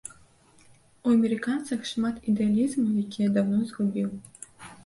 У амерыканцах шмат ідэалізму, які я даўно згубіў.